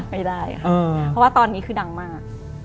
ไม่ได้ค่ะเพราะว่าตอนนี้คือดังมาก